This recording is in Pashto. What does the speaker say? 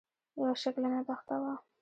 یوه شګلنه دښته وه.